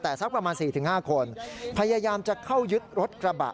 แต่สักประมาณ๔๕คนพยายามจะเข้ายึดรถกระบะ